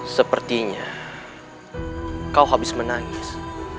sepertinya kau habis menangis